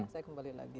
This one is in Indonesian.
saya kembali lagi